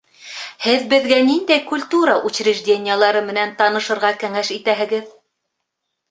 Һеҙ беҙгә ниндәй культура учреждениелары менән танышырға кәңәш итәһегеҙ?